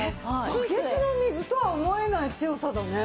バケツの水とは思えない強さだね。